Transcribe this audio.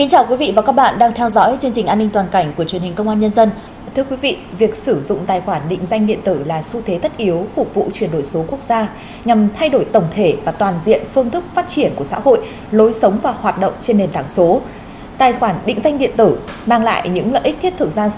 hãy đăng ký kênh để ủng hộ kênh của chúng mình nhé